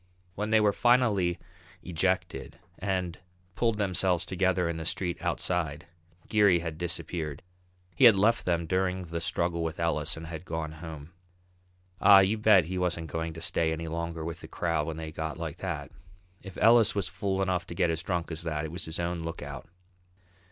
When they were finally ejected, and pulled themselves together in the street outside, Geary had disappeared. He had left them during the struggle with Ellis and had gone home. Ah, you bet he wasn't going to stay any longer with the crowd when they got like that. If Ellis was fool enough to get as drunk as that it was his own lookout.